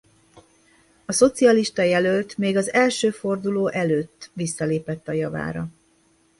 A szocialista jelölt még az első forduló előtt visszalépett a javára.